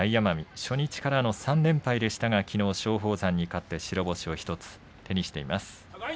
初日から３連敗でしたがきのう松鳳山に勝って白星を１つ手にしています。